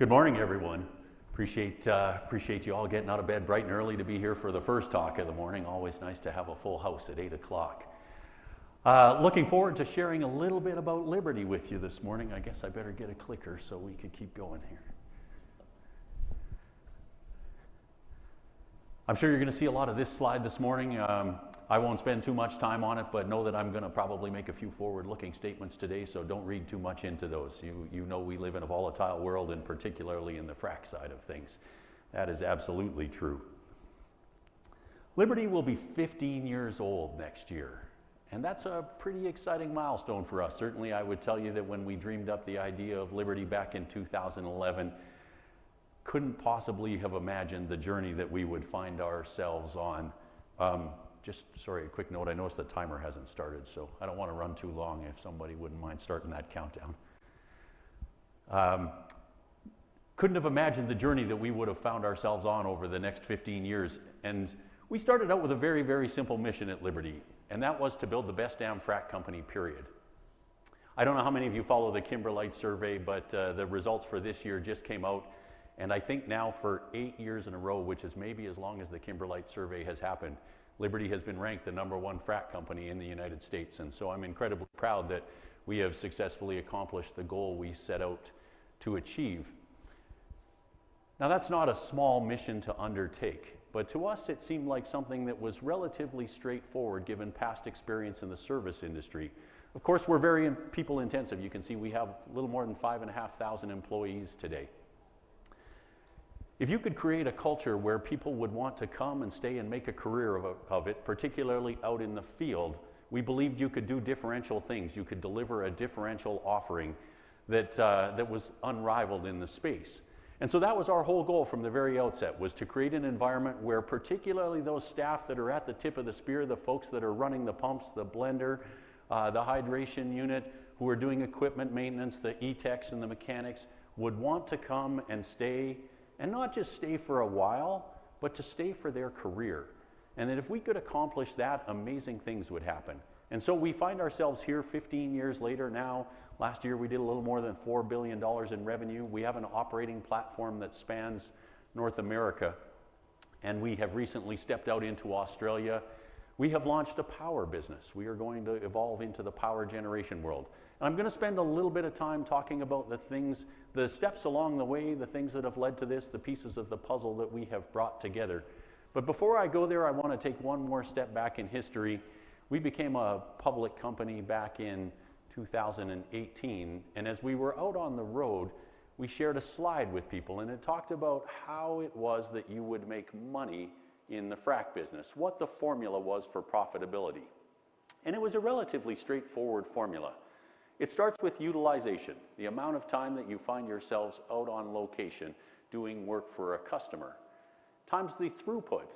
Good morning, everyone. Appreciate you all getting out of bed bright and early to be here for the first talk of the morning. Always nice to have a full house at 8:00 o'clock. Looking forward to sharing a little bit about Liberty with you this morning. I guess I better get a clicker so we could keep going here. I'm sure you're going to see a lot of this slide this morning. I won't spend too much time on it, but know that I'm going to probably make a few forward-looking statements today, so don't read too much into those. You know we live in a volatile world, and particularly in the frac side of things. That is absolutely true. Liberty will be 15 years old next year, and that's a pretty exciting milestone for us. Certainly, I would tell you that when we dreamed up the idea of Liberty back in 2011, couldn't possibly have imagined the journey that we would find ourselves on. Just a quick note. I noticed the timer hasn't started, so I don't want to run too long if somebody wouldn't mind starting that countdown. Couldn't have imagined the journey that we would have found ourselves on over the next 15 years. We started out with a very, very simple mission at Liberty, and that was to build the best damn frac company, period. I don't know how many of you follow the Kimberlite survey, but the results for this year just came out, and I think now for eight years in a row, which is maybe as long as the Kimberlite survey has happened, Liberty has been ranked the number one frac company in the United States. I'm incredibly proud that we have successfully accomplished the goal we set out to achieve. That's not a small mission to undertake, but to us, it seemed like something that was relatively straightforward given past experience in the service industry. Of course, we're very people-intensive. You can see we have a little more than five and a half thousand employees today. If you could create a culture where people would want to come and stay and make a career of it, particularly out in the field, we believed you could do differential things. You could deliver a differential offering that was unrivaled in the space. That was our whole goal from the very outset, to create an environment where particularly those staff that are at the tip of the spear, the folks that are running the pumps, the blender, the hydration unit, who are doing equipment maintenance, the ETECs and the mechanics would want to come and stay, and not just stay for a while, but to stay for their career. If we could accomplish that, amazing things would happen. We find ourselves here 15 years later now. Last year, we did a little more than $4 billion in revenue. We have an operating platform that spans North America, and we have recently stepped out into Australia. We have launched the power business. We are going to evolve into the power generation world. I'm going to spend a little bit of time talking about the things, the steps along the way, the things that have led to this, the pieces of the puzzle that we have brought together. Before I go there, I want to take one more step back in history. We became a public company back in 2018, and as we were out on the road, we shared a slide with people, and it talked about how it was that you would make money in the frac business, what the formula was for profitability. It was a relatively straightforward formula. It starts with utilization, the amount of time that you find yourselves out on location doing work for a customer, times the throughput,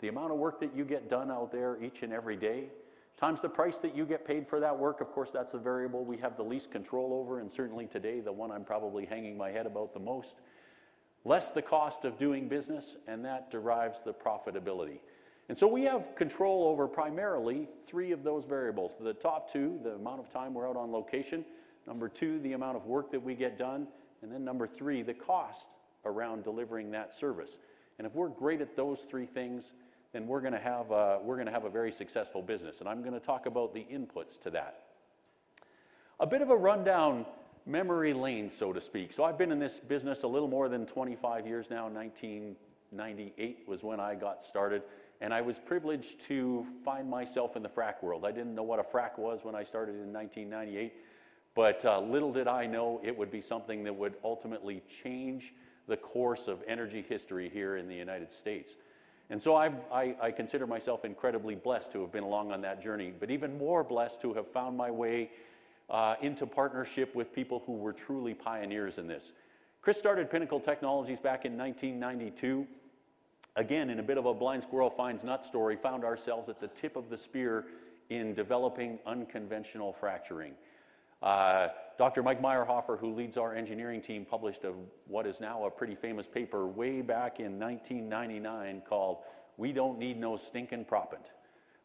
the amount of work that you get done out there each and every day, times the price that you get paid for that work. Of course, that's the variable we have the least control over, and certainly today, the one I'm probably hanging my head about the most, less the cost of doing business, and that derives the profitability. We have control over primarily three of those variables: the top two, the amount of time we're out on location; number two, the amount of work that we get done; and then number three, the cost around delivering that service. If we're great at those three things, then we're going to have a very successful business. I'm going to talk about the inputs to that. A bit of a rundown memory lane, so to speak. I've been in this business a little more than 25 years now. 1998 was when I got started, and I was privileged to find myself in the frac world. I didn't know what a frac was when I started in 1998, but little did I know it would be something that would ultimately change the course of energy history here in the United States. I consider myself incredibly blessed to have been along on that journey, but even more blessed to have found my way into partnership with people who were truly pioneers in this. Chris started Pinnacle Technologies back in 1992. Again, in a bit of a blind squirrel finds nut story, found ourselves at the tip of the spear in developing unconventional fracturing. Dr. Mike Meyerhofer, who leads our engineering team, published what is now a pretty famous paper way back in 1999 called We Don't Need No Stinkin Propant.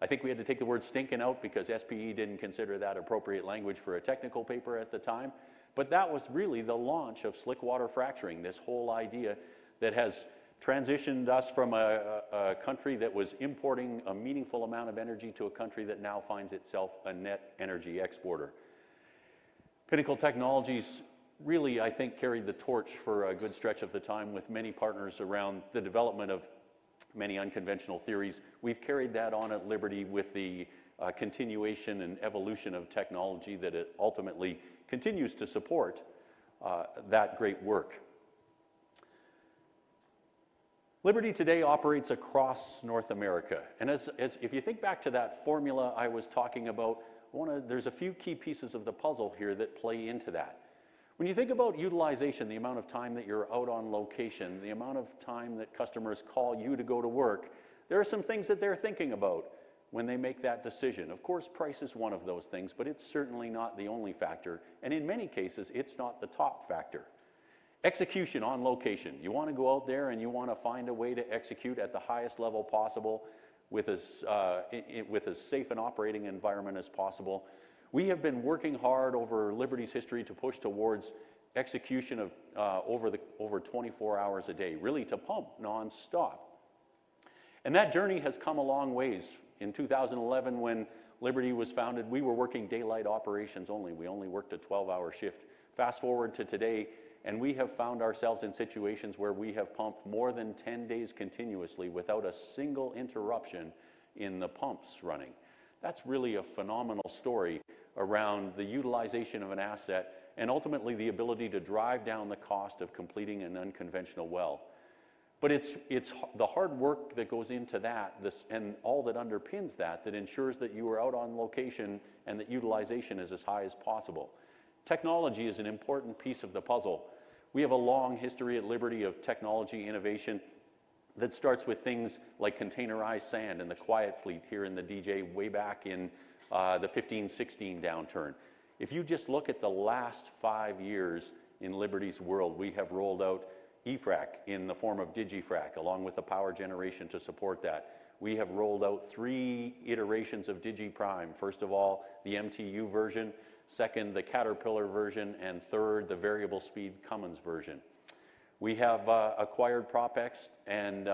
I think we had to take the word stinkin out because SPE didn't consider that appropriate language for a technical paper at the time. That was really the launch of slick water fracturing, this whole idea that has transitioned us from a country that was importing a meaningful amount of energy to a country that now finds itself a net energy exporter. Pinnacle Technologies really, I think, carried the torch for a good stretch of the time with many partners around the development of many unconventional theories. We've carried that on at Liberty with the continuation and evolution of technology that ultimately continues to support that great work. Liberty today operates across North America. If you think back to that formula I was talking about, there are a few key pieces of the puzzle here that play into that. When you think about utilization, the amount of time that you're out on location, the amount of time that customers call you to go to work, there are some things that they're thinking about when they make that decision. Of course, price is one of those things, but it's certainly not the only factor. In many cases, it's not the top factor. Execution on location. You want to go out there and you want to find a way to execute at the highest level possible with as safe an operating environment as possible. We have been working hard over Liberty's history to push towards execution over 24 hours a day, really to pump nonstop. That journey has come a long way. In 2011, when Liberty was founded, we were working daylight operations only. We only worked a 12-hour shift. Fast forward to today, and we have found ourselves in situations where we have pumped more than 10 days continuously without a single interruption in the pumps running. That's really a phenomenal story around the utilization of an asset and ultimately the ability to drive down the cost of completing an unconventional well. It's the hard work that goes into that and all that underpins that, that ensures that you are out on location and that utilization is as high as possible. Technology is an important piece of the puzzle. We have a long history at Liberty of technology innovation that starts with things like containerized sand and the quiet fleet here in the DJ way back in the 2015-2016 downturn. If you just look at the last five years in Liberty's world, we have rolled out eFrac in the form of digiFrac, along with the power generation to support that. We have rolled out three iterations of digiPrime. First of all, the MTU version, second, the Caterpillar version, and third, the variable speed Cummins version. We have acquired PropX and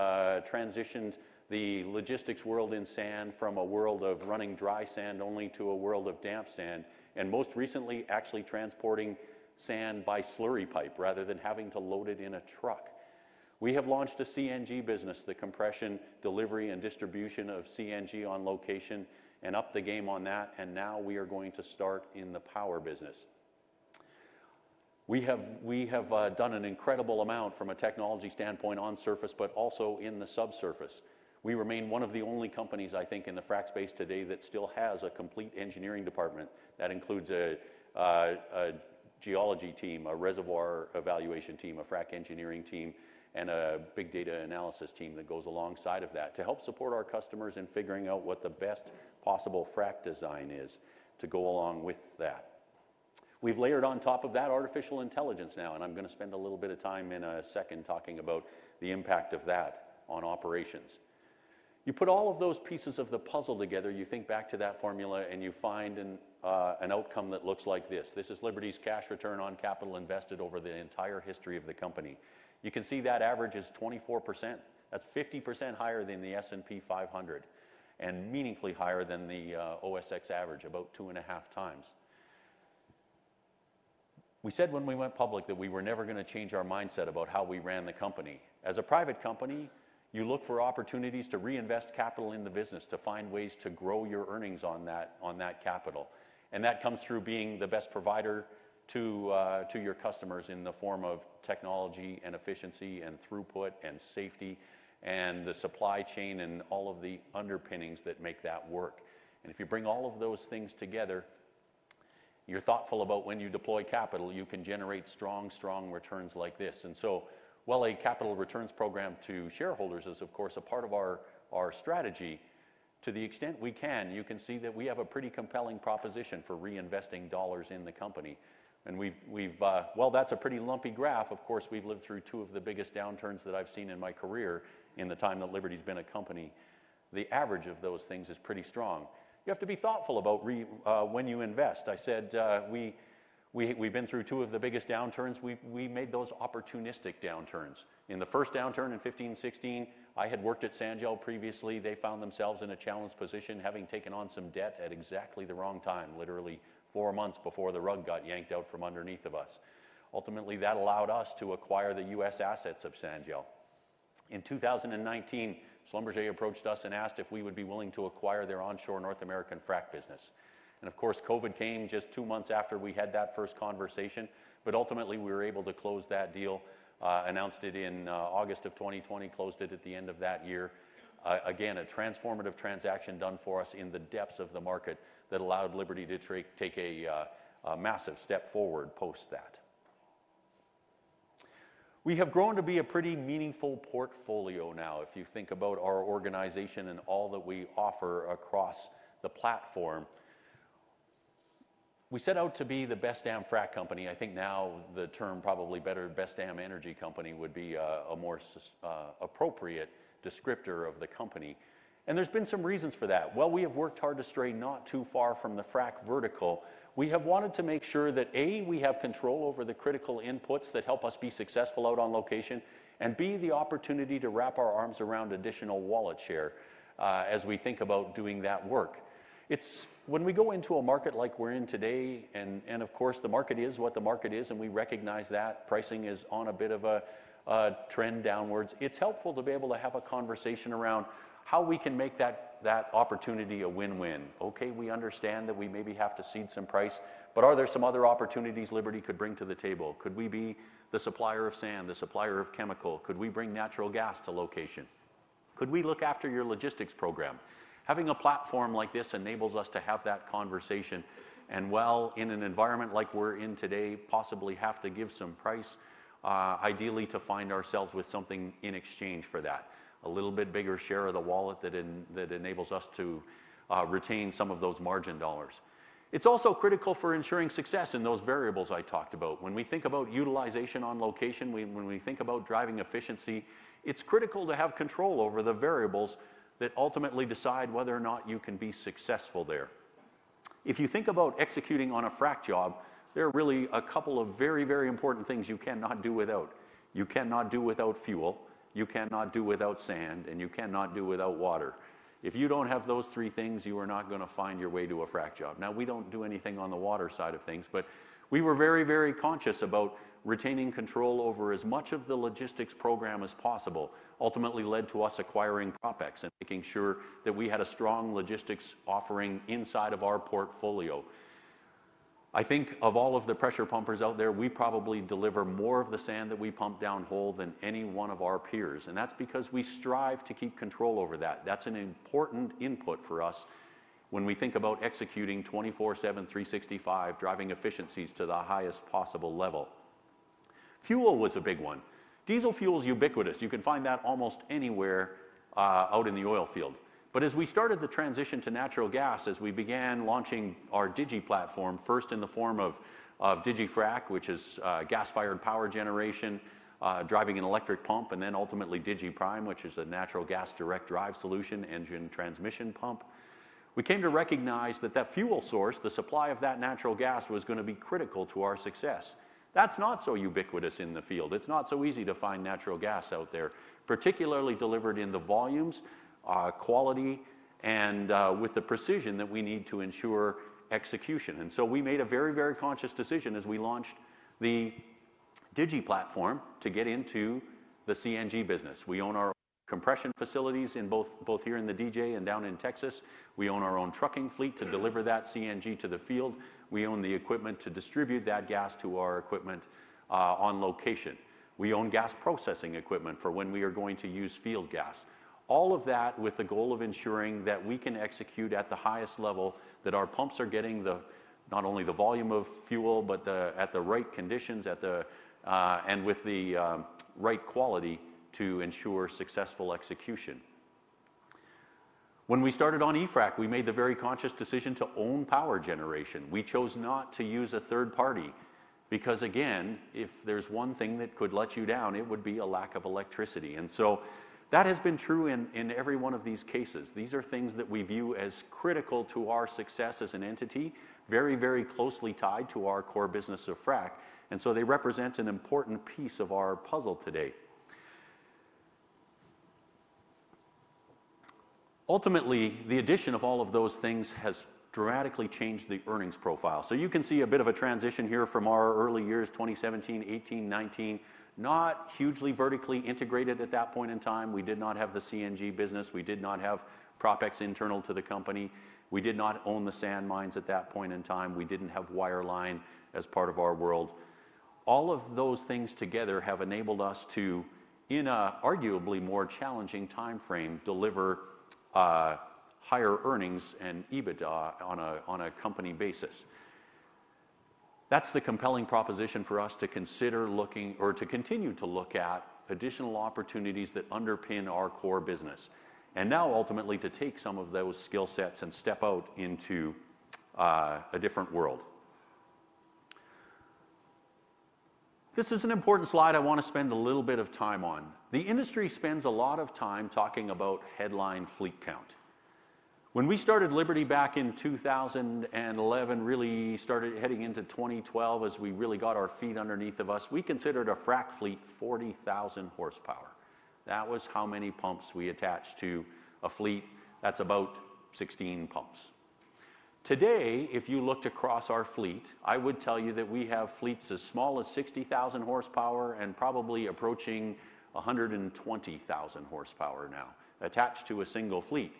transitioned the logistics world in sand from a world of running dry sand only to a world of damp sand, and most recently actually transporting sand by slurry pipe rather than having to load it in a truck. We have launched a CNG business, the compression, delivery, and distribution of CNG on location, and upped the game on that, and now we are going to start in the power business. We have done an incredible amount from a technology standpoint on surface, but also in the subsurface. We remain one of the only companies, I think, in the frac space today that still has a complete engineering department that includes a geology team, a reservoir evaluation team, a frac engineering team, and a big data analysis team that goes alongside of that to help support our customers in figuring out what the best possible frac design is to go along with that. We've layered on top of that artificial intelligence now, and I'm going to spend a little bit of time in a second talking about the impact of that on operations. You put all of those pieces of the puzzle together, you think back to that formula, and you find an outcome that looks like this. This is Liberty's cash return on capital invested over the entire history of the company. You can see that average is 24%. That's 50% higher than the S&P 500 and meaningfully higher than the OSX average, about 2.5x. We said when we went public that we were never going to change our mindset about how we ran the company. As a private company, you look for opportunities to reinvest capital in the business, to find ways to grow your earnings on that capital. That comes through being the best provider to your customers in the form of technology, efficiency, throughput, safety, the supply chain, and all of the underpinnings that make that work. If you bring all of those things together and you're thoughtful about when you deploy capital, you can generate strong, strong returns like this. A capital returns program to shareholders is, of course, a part of our strategy. To the extent we can, you can see that we have a pretty compelling proposition for reinvesting dollars in the company. That's a pretty lumpy graph. Of course, we've lived through two of the biggest downturns that I've seen in my career in the time that Liberty's been a company. The average of those things is pretty strong. You have to be thoughtful about when you invest. We've been through two of the biggest downturns. We made those opportunistic downturns. In the first downturn in 2015-2016, I had worked at Sanjel previously. They found themselves in a challenged position, having taken on some debt at exactly the wrong time, literally four months before the rug got yanked out from underneath of us. Ultimately, that allowed us to acquire the U.S. assets of Sanjel. In 2019, Schlumberger approached us and asked if we would be willing to acquire their onshore North American frac business. COVID came just two months after we had that first conversation, but ultimately we were able to close that deal, announced it in August of 2020, closed it at the end of that year. Again, a transformative transaction done for us in the depths of the market that allowed Liberty to take a massive step forward post that. We have grown to be a pretty meaningful portfolio now. If you think about our organization and all that we offer across the platform, we set out to be the best damn frac company. I think now the term probably better, best damn energy company, would be a more appropriate descriptor of the company. There have been some reasons for that. We have worked hard to stray not too far from the frac vertical. We have wanted to make sure that, A, we have control over the critical inputs that help us be successful out on location, and, B, the opportunity to wrap our arms around additional wallet share as we think about doing that work. It's when we go into a market like we're in today, and the market is what the market is, and we recognize that pricing is on a bit of a trend downwards. It's helpful to be able to have a conversation around how we can make that opportunity a win-win. Okay, we understand that we maybe have to cede some price, but are there some other opportunities Liberty could bring to the table? Could we be the supplier of sand, the supplier of chemical? Could we bring natural gas to location? Could we look after your logistics program? Having a platform like this enables us to have that conversation, and in an environment like we're in today, possibly have to give some price, ideally to find ourselves with something in exchange for that, a little bit bigger share of the wallet that enables us to retain some of those margin dollars. It's also critical for ensuring success in those variables I talked about. When we think about utilization on location, when we think about driving efficiency, it's critical to have control over the variables that ultimately decide whether or not you can be successful there. If you think about executing on a frac job, there are really a couple of very, very important things you cannot do without. You cannot do without fuel, you cannot do without sand, and you cannot do without water. If you don't have those three things, you are not going to find your way to a frac job. Now, we don't do anything on the water side of things, but we were very, very conscious about retaining control over as much of the logistics program as possible, ultimately led to us acquiring PropX and making sure that we had a strong logistics offering inside of our portfolio. I think of all of the pressure pumpers out there, we probably deliver more of the sand that we pump down hole than any one of our peers, and that's because we strive to keep control over that. That's an important input for us when we think about executing 24/7, 365, driving efficiencies to the highest possible level. Fuel was a big one. Diesel fuels are ubiquitous. You can find that almost anywhere, out in the oil field. As we started the transition to natural gas, as we began launching our Digi platform, first in the form of digiFrac, which is gas-fired power generation, driving an electric pump, and then ultimately digiPrime, which is a natural gas direct drive solution engine transmission pump, we came to recognize that that fuel source, the supply of that natural gas, was going to be critical to our success. That's not so ubiquitous in the field. It's not so easy to find natural gas out there, particularly delivered in the volumes, quality, and with the precision that we need to ensure execution. We made a very, very conscious decision as we launched the Digi platform to get into the CNG business. We own our compression facilities in both here in the DJ and down in Texas. We own our own trucking fleet to deliver that CNG to the field. We own the equipment to distribute that gas to our equipment on location. We own gas processing equipment for when we are going to use field gas. All of that with the goal of ensuring that we can execute at the highest level, that our pumps are getting not only the volume of fuel, but at the right conditions and with the right quality to ensure successful execution. When we started on eFrac, we made the very conscious decision to own power generation. We chose not to use a third party because, if there's one thing that could let you down, it would be a lack of electricity. That has been true in every one of these cases. These are things that we view as critical to our success as an entity, very, very closely tied to our core business of frac. They represent an important piece of our puzzle today. Ultimately, the addition of all of those things has dramatically changed the earnings profile. You can see a bit of a transition here from our early years, 2017, 2018, 2019. Not hugely vertically integrated at that point in time. We did not have the CNG business. We did not have PropX internal to the company. We did not own the sand mines at that point in time. We didn't have wireline as part of our world. All of those things together have enabled us to, in an arguably more challenging timeframe, deliver higher earnings and EBITDA on a company basis. That's the compelling proposition for us to consider looking or to continue to look at additional opportunities that underpin our core business. Ultimately, to take some of those skill sets and step out into a different world. This is an important slide I want to spend a little bit of time on. The industry spends a lot of time talking about headline fleet count. When we started Liberty back in 2011, really started heading into 2012 as we really got our feet underneath of us, we considered a frac fleet 40,000 horsepower. That was how many pumps we attached to a fleet. That's about 16 pumps. Today, if you looked across our fleet, I would tell you that we have fleets as small as 60,000 horsepower and probably approaching 120,000 horsepower now attached to a single fleet.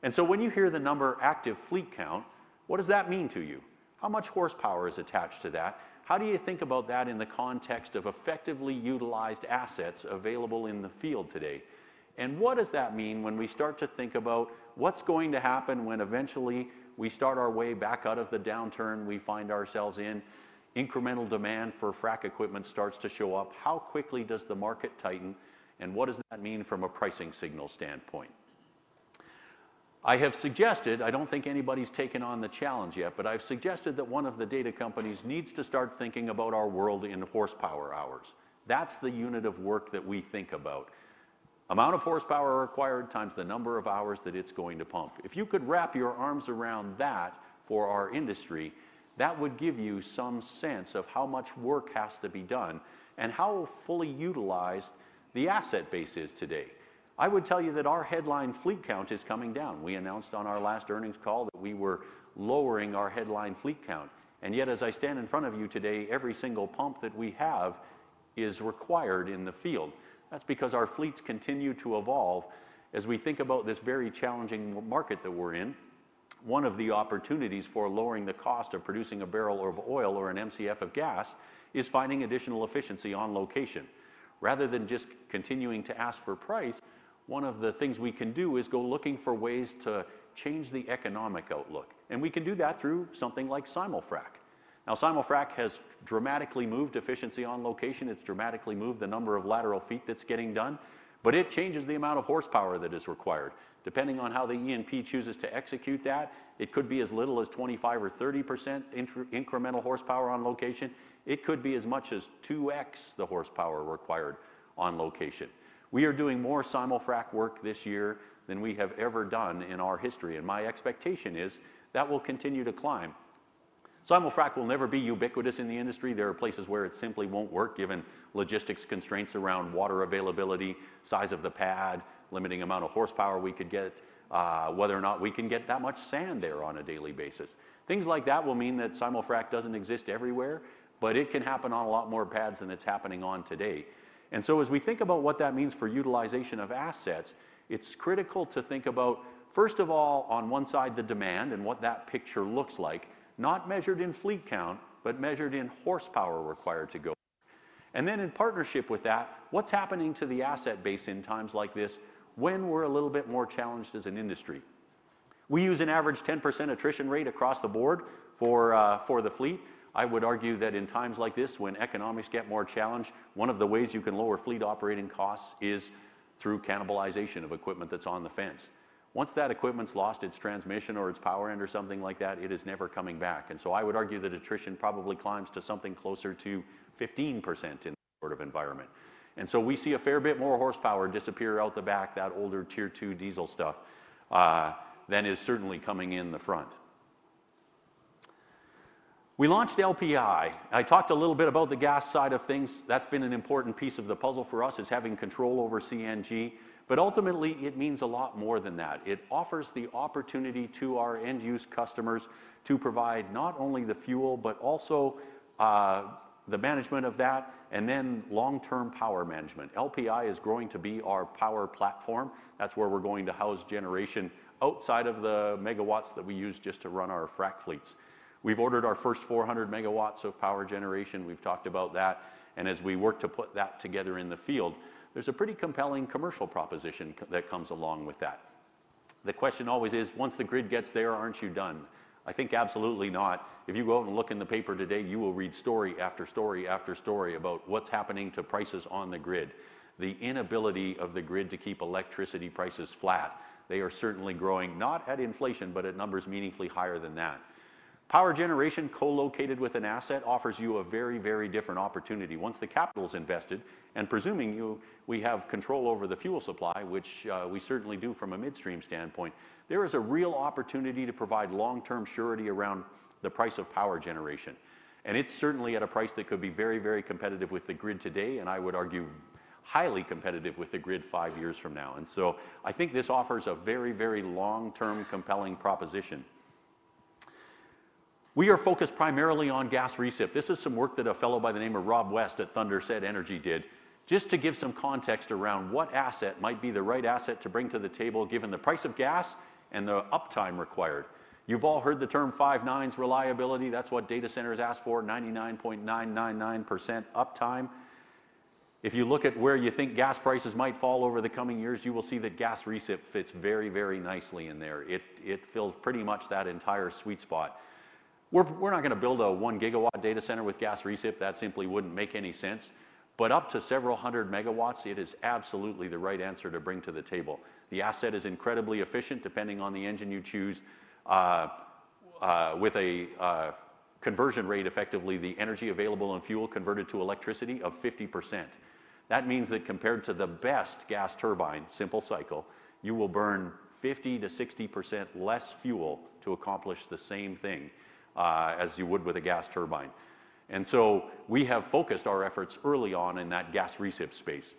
When you hear the number active fleet count, what does that mean to you? How much horsepower is attached to that? How do you think about that in the context of effectively utilized assets available in the field today? What does that mean when we start to think about what's going to happen when eventually we start our way back out of the downturn we find ourselves in? Incremental demand for frac equipment starts to show up. How quickly does the market tighten? What does that mean from a pricing signal standpoint? I have suggested, I don't think anybody's taken on the challenge yet, but I've suggested that one of the data companies needs to start thinking about our world in horsepower hours. That's the unit of work that we think about. Amount of horsepower required times the number of hours that it's going to pump. If you could wrap your arms around that for our industry, that would give you some sense of how much work has to be done and how fully utilized the asset base is today. I would tell you that our headline fleet count is coming down. We announced on our last earnings call that we were lowering our headline fleet count. Yet, as I stand in front of you today, every single pump that we have is required in the field. That's because our fleets continue to evolve. As we think about this very challenging market that we're in, one of the opportunities for lowering the cost of producing a barrel of oil or an MCF of gas is finding additional efficiency on location. Rather than just continuing to ask for price, one of the things we can do is go looking for ways to change the economic outlook. We can do that through something like simulfrac. Now, simulfrac has dramatically moved efficiency on location. It's dramatically moved the number of lateral feet that's getting done, but it changes the amount of horsepower that is required. Depending on how the E&P chooses to execute that, it could be as little as 25% or 30% incremental horsepower on location. It could be as much as 2x the horsepower required on location. We are doing more simulfrac work this year than we have ever done in our history, and my expectation is that will continue to climb. Simulfrac will never be ubiquitous in the industry. There are places where it simply won't work given logistics constraints around water availability, size of the pad, limiting the amount of horsepower we could get, whether or not we can get that much sand there on a daily basis. Things like that will mean that simulfrac doesn't exist everywhere, but it can happen on a lot more pads than it's happening on today. As we think about what that means for utilization of assets, it's critical to think about, first of all, on one side, the demand and what that picture looks like, not measured in fleet count, but measured in horsepower required to go. In partnership with that, what's happening to the asset base in times like this when we're a little bit more challenged as an industry? We use an average 10% attrition rate across the board for the fleet. I would argue that in times like this, when economics get more challenged, one of the ways you can lower fleet operating costs is through cannibalization of equipment that's on the fence. Once that equipment's lost its transmission or its power end or something like that, it is never coming back. I would argue that attrition probably climbs to something closer to 15% in that sort of environment. We see a fair bit more horsepower disappear out the back, that older tier two diesel stuff, than is certainly coming in the front. We launched LPI. I talked a little bit about the gas side of things. That's been an important piece of the puzzle for us is having control over CNG, but ultimately it means a lot more than that. It offers the opportunity to our end-use customers to provide not only the fuel, but also the management of that and then long-term power management. LPI is going to be our power platform. That's where we're going to house generation outside of the megawatts that we use just to run our frac fleets. We've ordered our first 400 MW of power generation. We've talked about that. As we work to put that together in the field, there's a pretty compelling commercial proposition that comes along with that. The question always is, once the grid gets there, aren't you done? I think absolutely not. If you go out and look in the paper today, you will read story after story after story about what's happening to prices on the grid. The inability of the grid to keep electricity prices flat. They are certainly growing, not at inflation, but at numbers meaningfully higher than that. Power generation co-located with an asset offers you a very, very different opportunity. Once the capital is invested, and presuming we have control over the fuel supply, which we certainly do from a midstream standpoint, there is a real opportunity to provide long-term surety around the price of power generation. It's certainly at a price that could be very, very competitive with the grid today. I would argue highly competitive with the grid five years from now. I think this offers a very, very long-term compelling proposition. We are focused primarily on gas recip. This is some work that a fellow by the name of Rob West at Thunder Said Energy did, just to give some context around what asset might be the right asset to bring to the table given the price of gas and the uptime required. You've all heard the term five nines reliability. That's what data centers ask for: 99.999% uptime. If you look at where you think gas prices might fall over the coming years, you will see that gas recip fits very, very nicely in there. It fills pretty much that entire sweet spot. We're not going to build a 1 GW data center with gas recip. That simply wouldn't make any sense. Up to several hundred megawatts, it is absolutely the right answer to bring to the table. The asset is incredibly efficient, depending on the engine you choose, with a conversion rate, effectively the energy available on fuel converted to electricity, of 50%. That means that compared to the best gas turbine, simple cycle, you will burn 50%-60% less fuel to accomplish the same thing as you would with a gas turbine. We have focused our efforts early on in that gas recip space.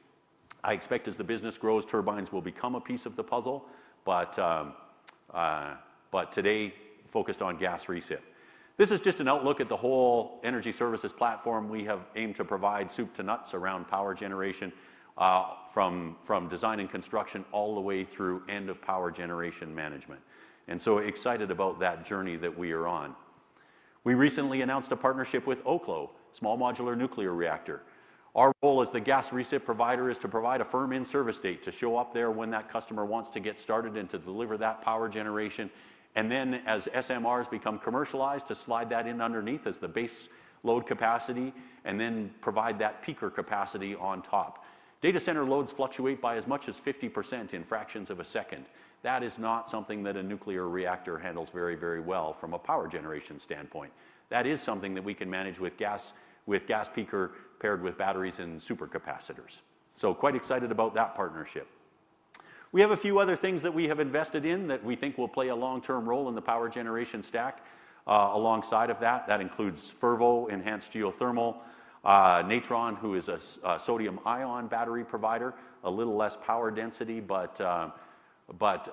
I expect as the business grows, turbines will become a piece of the puzzle, but today focused on gas recip. This is just an outlook at the whole energy services platform. We have aimed to provide soup to nuts around power generation, from design and construction all the way through end of power generation management. Excited about that journey that we are on. We recently announced a partnership with Oklo, Small Modular Nuclear Reactor. Our role as the gas recip provider is to provide a firm in-service date to show up there when that customer wants to get started and to deliver that power generation. As SMRs become commercialized, to slide that in underneath as the baseload capacity and then provide that peaker capacity on top. Data center loads fluctuate by as much as 50% in fractions of a second. That is not something that a nuclear reactor handles very, very well from a power generation standpoint. That is something that we can manage with gas, with gas peaker paired with batteries and supercapacitors. Quite excited about that partnership. We have a few other things that we have invested in that we think will play a long-term role in the power generation stack, alongside of that. That includes Fervo, enhanced geothermal, Natron, who is a sodium-ion battery provider, a little less power density, but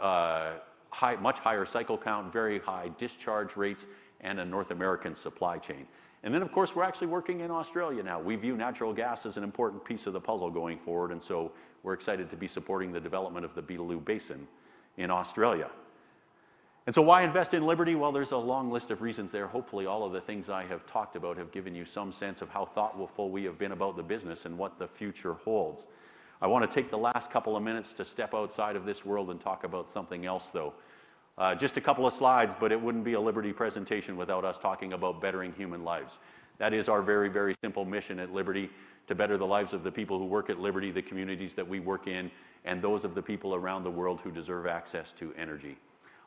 much higher cycle count, very high discharge rates, and a North American supply chain. Of course, we're actually working in Australia now. We view natural gas as an important piece of the puzzle going forward, and we're excited to be supporting the development of the Beetaloo Basin in Australia. Why invest in Liberty? There's a long list of reasons there. Hopefully, all of the things I have talked about have given you some sense of how thoughtful we have been about the business and what the future holds. I want to take the last couple of minutes to step outside of this world and talk about something else, though. Just a couple of slides, but it wouldn't be a Liberty presentation without us talking about bettering human lives. That is our very, very simple mission at Liberty: to better the lives of the people who work at Liberty, the communities that we work in, and those of the people around the world who deserve access to energy.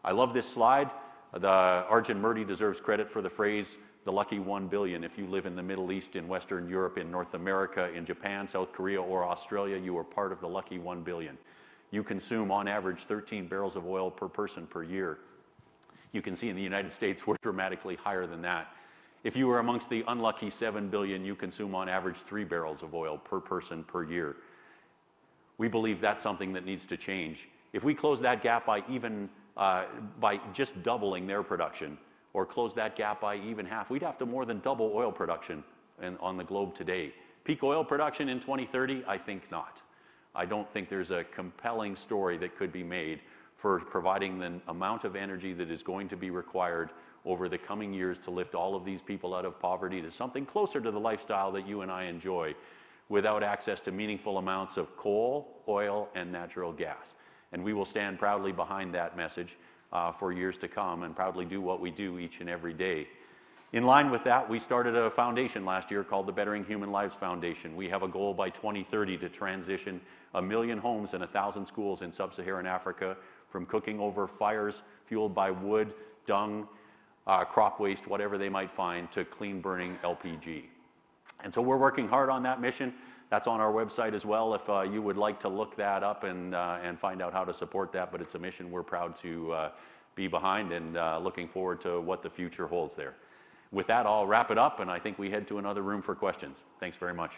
I love this slide. Arjun Murthy deserves credit for the phrase "the lucky 1 billion." If you live in the Middle East, in Western Europe, in North America, in Japan, South Korea, or Australia, you are part of the lucky 1 billion. You consume, on average, 13 barrels of oil per person per year. You can see in the United States, we're dramatically higher than that. If you are amongst the unlucky 7 billion, you consume, on average, 3 barrels of oil per person per year. We believe that's something that needs to change. If we close that gap by even, by just doubling their production or close that gap by even half, we'd have to more than double oil production on the globe today. Peak oil production in 2030? I think not. I don't think there's a compelling story that could be made for providing the amount of energy that is going to be required over the coming years to lift all of these people out of poverty to something closer to the lifestyle that you and I enjoy without access to meaningful amounts of coal, oil, and natural gas. We will stand proudly behind that message for years to come and proudly do what we do each and every day. In line with that, we started a foundation last year called the Bettering Human Lives Foundation. We have a goal by 2030 to transition a million homes and a thousand schools in Sub-Saharan Africa from cooking over fires fueled by wood, dung, crop waste, whatever they might find, to clean burning LPG. We're working hard on that mission. That's on our website as well if you would like to look that up and find out how to support that, but it's a mission we're proud to be behind and looking forward to what the future holds there. With that, I'll wrap it up, and I think we head to another room for questions. Thanks very much.